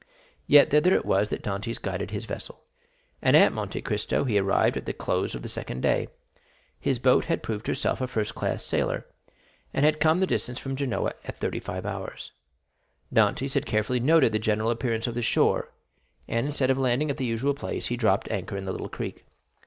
Yet thither it was that Dantès guided his vessel, and at Monte Cristo he arrived at the close of the second day; his boat had proved herself a first class sailor, and had come the distance from Genoa in thirty five hours. Dantès had carefully noted the general appearance of the shore, and, instead of landing at the usual place, he dropped anchor in the little creek.